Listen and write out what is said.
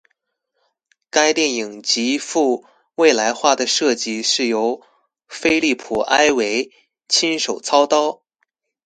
该电影极富未来化的设计是由菲利普埃维亲手操刀。